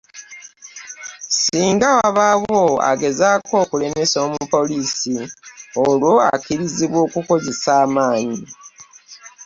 Singa wabaawo agezaako okulemesa omupoliisi, olwo akkirizibwa okukozesa amaanyi.